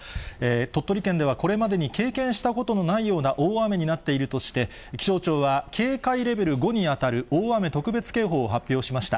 鳥取県ではこれまでに経験したことのないような大雨になっているとして、気象庁は警戒レベル５に当たる大雨特別警報を発表しました。